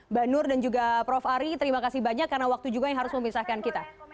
mbak nur dan juga prof ari terima kasih banyak karena waktu juga yang harus memisahkan kita